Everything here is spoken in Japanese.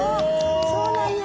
そうなんや！